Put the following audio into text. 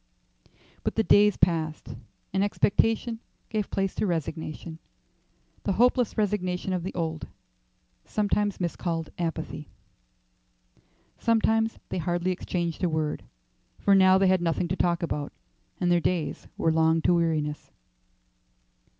But the days passed, and expectation gave place to resignation the hopeless resignation of the old, sometimes miscalled, apathy. Sometimes they hardly exchanged a word, for now they had nothing to talk about, and their days were long to weariness.